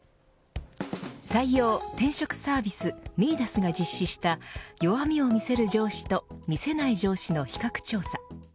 採用・転職サービスミイダスが実施した弱みを見せる上司と見せない上司の比較調査。